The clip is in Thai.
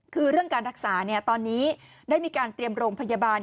คือเรื่องการรักษาตอนนี้ได้มีการเตรียมโรงพยาบาล